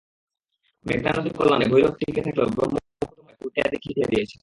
মেঘনা নদীর কল্যাণে ভৈরব টিকে থাকলেও ব্রহ্মপুত্র মরে যাওয়ায় কটিয়াদী খ্যাতি হারিয়েছে।